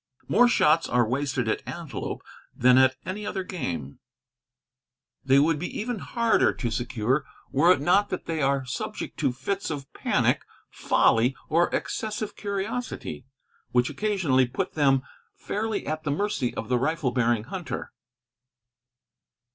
More shots are wasted at antelope than at any other game. They would be even harder to secure were it not that they are subject to fits of panic, folly, or excessive curiosity, which occasionally put them fairly at the mercy of the rifle bearing hunter.